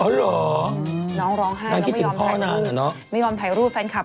อ๋อเหรอน้องร้องไห้แล้วไม่ยอมถ่ายรูปสไนด์คลับ